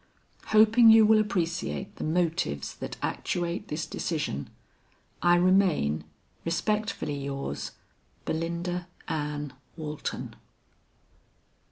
Hoping you will appreciate the motives that actuate this decision, "I remain, respectfully yours, "BELINDA ANN WALTON."